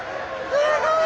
すごい！